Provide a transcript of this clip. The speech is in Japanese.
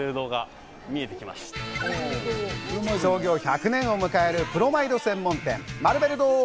創業１００年を迎えるプロマイド専門店・マルベル堂。